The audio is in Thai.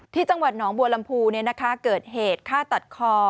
ที่จังหวัดหนองบัวลำพูเกิดเหตุฆ่าตัดคอ